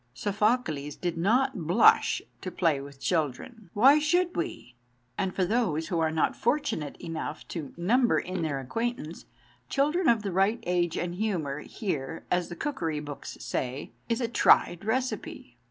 "Sophocles did not blush to play with children." Why should we? And for those who are not fortunate enough to number in their acquaintance children of the right age and humour, here, as the cookery books say, is a tried receipt.